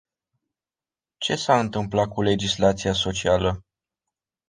Ce s-a întâmplat cu legislația socială?